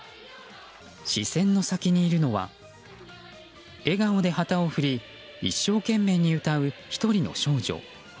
視線の先にいるのは笑顔で旗を振り一生懸命に歌う１人の少女。